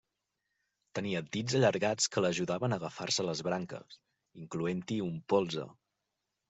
Tenia dits allargats que l'ajudaven a agafar-se a les branques, incloent-hi un polze.